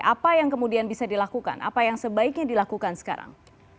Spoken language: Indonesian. apa yang kemudian bisa dilakukan apa yang sebaiknya dilakukan sekarang